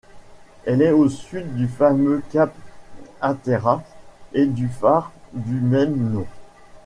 Elle est au sud du fameux Cap Hatteras et du phare du même nom.